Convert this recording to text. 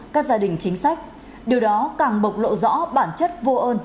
các gia đình chính sách điều đó càng bộc lộ rõ bản chất vô ơn